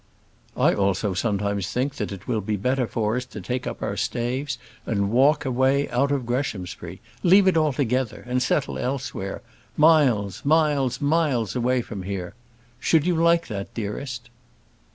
"I also sometimes think that it will be better for us to take up our staves and walk away out of Greshamsbury; leave it altogether, and settle elsewhere; miles, miles, miles away from here. Should you like that, dearest?"